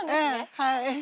はい。